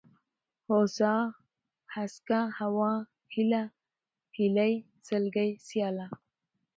هوسا ، هسکه ، هوا ، هېله ، هيلۍ ، سلگۍ ، سياله